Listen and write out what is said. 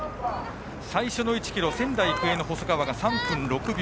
最初の１ｋｍ仙台育英の細川が３分６秒。